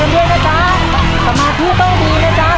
และก็วางมือกันด้วยนะครับ